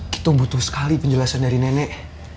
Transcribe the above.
itu butuh sekali penjelasan dari nenek